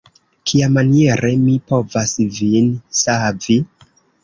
Kiamaniere mi povas vin savi?